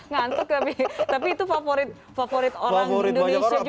ngantuk tapi itu favorit orang indonesia juga tuh